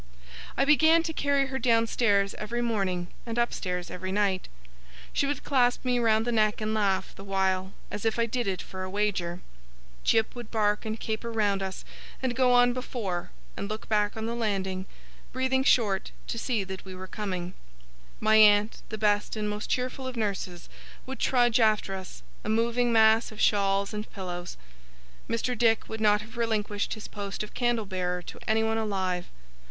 I began to carry her downstairs every morning, and upstairs every night. She would clasp me round the neck and laugh, the while, as if I did it for a wager. Jip would bark and caper round us, and go on before, and look back on the landing, breathing short, to see that we were coming. My aunt, the best and most cheerful of nurses, would trudge after us, a moving mass of shawls and pillows. Mr. Dick would not have relinquished his post of candle bearer to anyone alive.